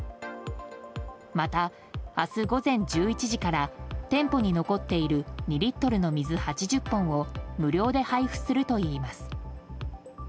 また、明日午前１１時から店舗に残っている２リットルの水８０本を無料で配布するといいます。